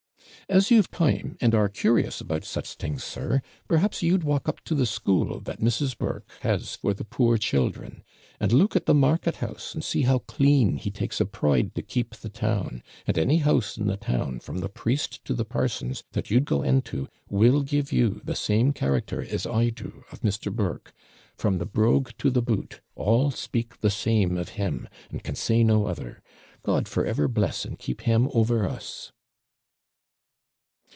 'As you've time, and are curious about such things, sir, perhaps you'd walk up to the school that Mrs. Burke has for the poor children; and look at the market house, and see how clean he takes a pride to keep the town; and any house in the town, from the priest to the parson's, that you'd go into, will give you the same character as I do of Mr. Burke: from the brogue to the boot, all speak the same of him, and can say no other. God for ever bless and keep him over us!'